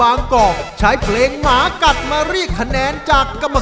อ๋ออย่างนั้นก็เต็มที่นะครับ